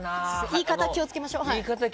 言い方気を付けましょう。